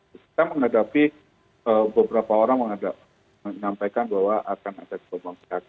kita menghadapi beberapa orang mengadakan menyampaikan bahwa akan ada di bambang phk